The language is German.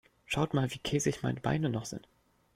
Schaut mal, wie käsig meine Beine noch sind.